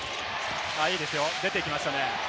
いいですよ、出ていきましたね。